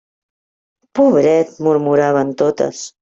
Pobret! –murmuraven totes.